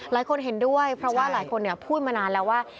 หลายคนเห็นด้วยเพราะว่าหลายคนพูดมานานแล้วว่า